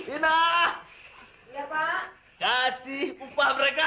inah kasih upah mereka